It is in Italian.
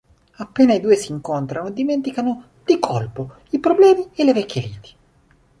Appena i due si incontrano dimenticano di colpo i problemi e le vecchie liti.